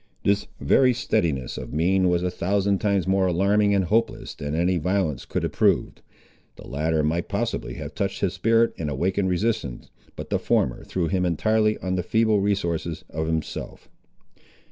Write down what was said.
This very steadiness of mien was a thousand times more alarming and hopeless than any violence could have proved. The latter might possibly have touched his spirit and awakened resistance, but the former threw him entirely on the feeble resources of himself.